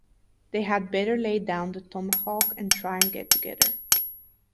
They had better lay down the tomahawk and try and get together.